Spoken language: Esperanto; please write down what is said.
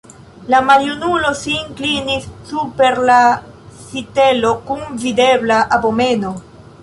La maljunulo sin klinis super la sitelo kun videbla abomeno.